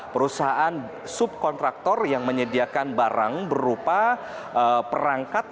perusahaan subkontraktor yang menyediakan barang berupa perangkat